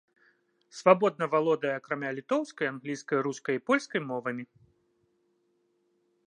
Свабодна валодае акрамя літоўскай англійскай, рускай і польскай мовамі.